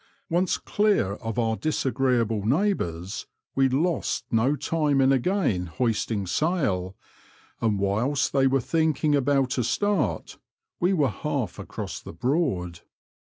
Once clear of our disagreeable neighbours, we lost no time in again hoisting sail, and whilst they were thinking about a start, we were half across the Broad.